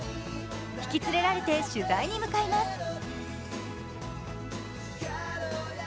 引き連れられて取材に向かいます。